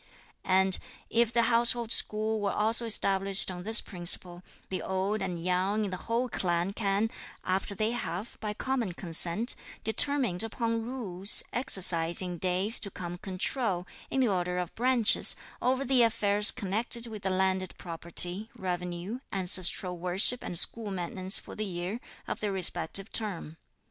And if the household school were also established on this principle, the old and young in the whole clan can, after they have, by common consent, determined upon rules, exercise in days to come control, in the order of the branches, over the affairs connected with the landed property, revenue, ancestral worship and school maintenance for the year (of their respective term.)